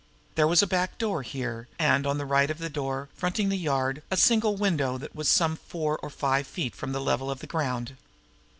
There was a back door here, and, on the right of the door, fronting the yard, a single window that was some four or five feet from the level of the ground.